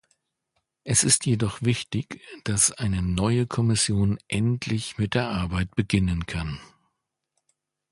Es ist jedoch wichtig, dass eine neue Kommission endlich mit der Arbeit beginnen kann.